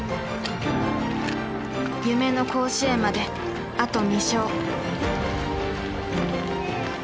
夢の甲子園まであと２勝。